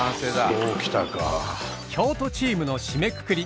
京都チームの締めくくり。